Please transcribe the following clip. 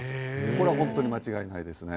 これは本当に間違いないですね。